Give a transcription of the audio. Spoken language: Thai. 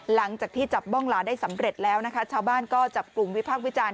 หลังจากที่จับบ้องหลาได้สำเร็จแล้วนะคะชาวบ้านก็จับกลุ่มวิพากษ์วิจารณ